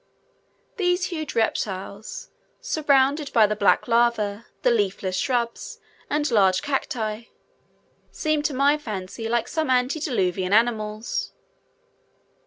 These huge reptiles, surrounded by the black lava, the leafless shrubs, and large cacti, seemed to my fancy like some antediluvian animals.